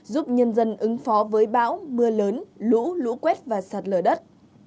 giúp nhân dân ứng phó với bão mưa lớn lũ lũ quét và sạt lở đất